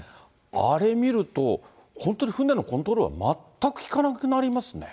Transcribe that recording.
あれ見ると、本当に船のコントロールは全く利かなくなりますね。